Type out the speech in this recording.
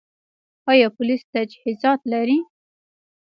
آیا پولیس تجهیزات لري؟